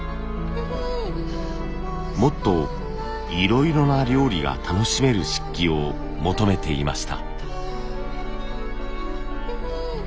もっといろいろな料理が楽しめる漆器を求めていました。